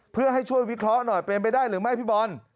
เพื่อให้ช่วยวิเคราะห์หน่อยเป็นไปได้หรือไม่พี่บอล